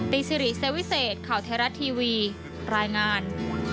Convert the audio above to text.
ซิริเซวิเศษข่าวไทยรัฐทีวีรายงาน